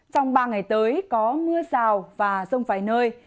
trong ba ngày tới có mưa rào và rông vài nơi